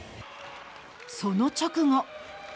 その直後。